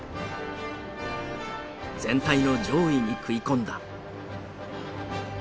全体の上位に食い込んだ。